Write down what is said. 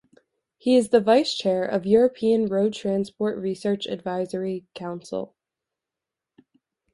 He is the Vice Chair of European Road Transport Research Advisory Council.